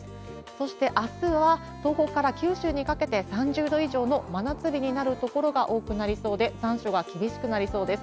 そしてあすは東北から九州にかけて３０度以上の真夏日になる所が多くなりそうで、残暑が厳しくなりそうです。